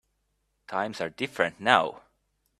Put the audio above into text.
Times are different now.